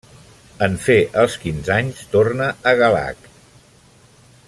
En fer els quinze anys torna a Galhac.